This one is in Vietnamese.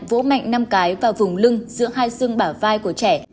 vỗ mạnh năm cái vào vùng lưng giữa hai xương bả vai của trẻ